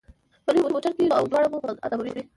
په لوی موټر کې ځو او واړه مو په عذابوي.